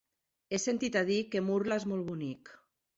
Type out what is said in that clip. He sentit a dir que Murla és molt bonic.